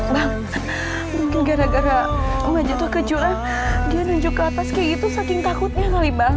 bang mungkin gara gara gue jatuh ke jalan dia nunjuk ke atas kayak gitu saking takutnya kali bang